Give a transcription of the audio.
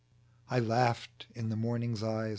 I laughed in the morning's eyes.